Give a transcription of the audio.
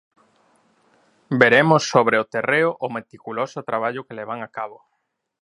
Veremos sobre o terreo o meticuloso traballo que levan a cabo.